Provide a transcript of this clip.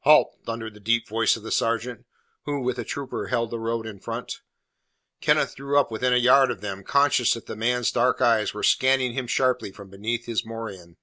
"Halt!" thundered the deep voice of the sergeant, who, with a trooper, held the road in front. Kenneth drew up within a yard of them, conscious that the man's dark eyes were scanning him sharply from beneath his morion.